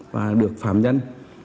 và được phạm nhân